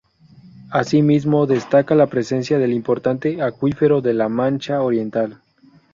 Asimismo, destaca la presencia del importante acuífero de La Mancha Oriental.